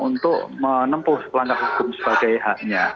untuk menempuh pelanggaran hukum sebagai haknya